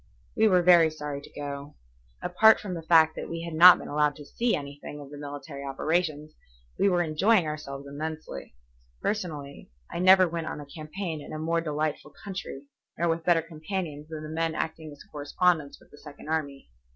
We were very sorry to go. Apart from the fact that we had not been allowed to see anything of the military operations, we were enjoying ourselves immensely. Personally, I never went on a campaign in a more delightful country nor with better companions than the men acting as correspondents with the Second Army.